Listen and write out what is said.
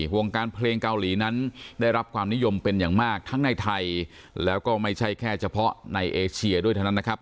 วงการเพลงเกาหลีนั้นได้รับความนิยมเป็นอย่างมากทั้งในไทยแล้วก็ไม่ใช่แค่เฉพาะในเอเชียด้วยเท่านั้นนะครับ